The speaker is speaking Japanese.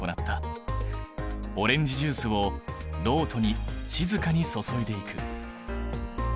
オレンジジュースをろうとに静かに注いでいく。